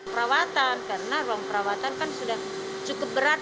perawatan karena ruang perawatan kan sudah cukup berat